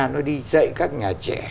nó đi dạy các nhà trẻ